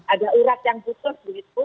ada urat yang khusus begitu